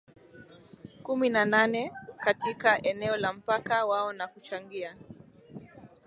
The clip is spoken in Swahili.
kumi na nane katika eneo la mpaka wao na kuchangia